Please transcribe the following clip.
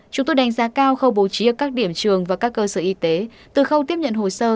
chúng tôi đánh giá cao khâu bố trí ở các điểm trường và các cơ sở y tế từ khâu tiếp nhận hồ sơ